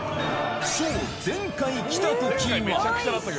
そう、前回来たときは。